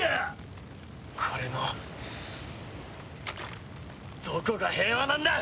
これのどこが平和なんだ！